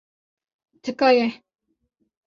Tika ye.